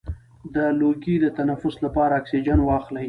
د لوګي د تنفس لپاره اکسیجن واخلئ